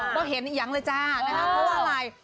ก็เห็นอีกอย่างเลยจ้านะครับเพราะว่าอะไร